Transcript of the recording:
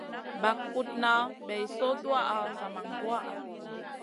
Bag putna bay soy tuwaʼa zaman duwaʼha.